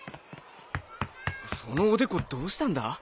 そのおでこどうしたんだ？